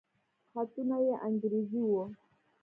خطونه يې انګريزي وو.